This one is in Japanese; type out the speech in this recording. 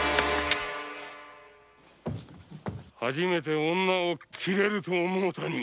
初めて女を斬れると思うたに。